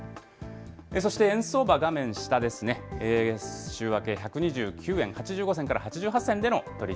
そして円相場、画面下ですね、週明け、１２９円８５銭から８８銭